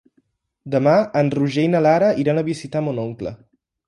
Demà en Roger i na Lara iran a visitar mon oncle.